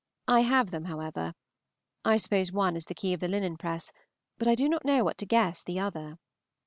I have them, however. I suppose one is the key of the linen press, but I do not know what to guess the other.